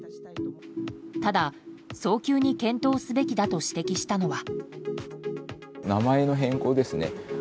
ただ、早急に検討すべきだと指摘したのは。